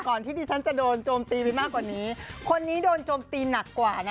ที่ดิฉันจะโดนโจมตีไปมากกว่านี้คนนี้โดนโจมตีหนักกว่านะ